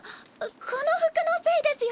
この服のせいですよ。